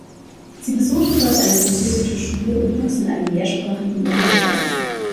Sie besuchte dort eine französische Schule und wuchs in einem mehrsprachigen Umfeld auf.